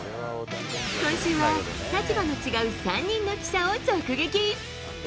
今週は、立場の違う３人の記者を直撃。